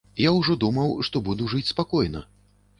Я ўжо думаў, што буду жыць спакойна.